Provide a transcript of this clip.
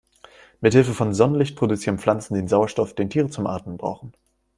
Mithilfe von Sonnenlicht produzieren Pflanzen den Sauerstoff, den Tiere zum Atmen brauchen.